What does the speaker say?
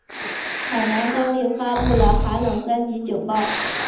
海南当地发布了寒冷三级警报。